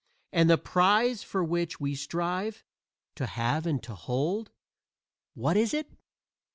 And the prize for which we strive, "to have and to hold" what is it?